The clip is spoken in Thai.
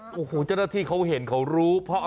แบบนี้คือแบบนี้คือแบบนี้คือแบบนี้คือ